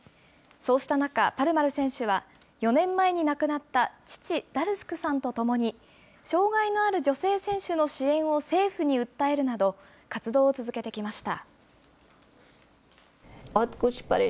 そうした中、パルマル選手は、４年前に亡くなった父、ダルスクさんと共に、障害のある女性選手の支援を政府に訴えるなど、活動を続けてきました。